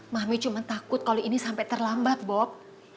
mami cuma takut kalo ini sampe terlambat bob